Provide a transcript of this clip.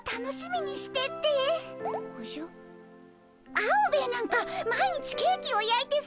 アオベエなんか毎日ケーキをやいてさ。